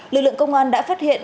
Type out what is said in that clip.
lực lượng công an đã phát hiện